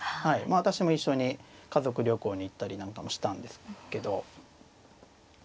私も一緒に家族旅行に行ったりなんかもしたんですけど。